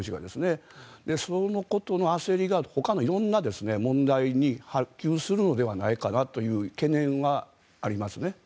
そのことの焦りがほかの色んな問題に波及するのではないかという懸念はありますね。